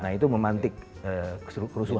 nah itu memantik kerusuhan